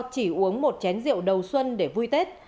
chỉ uống một chén rượu đầu xuân để vui tết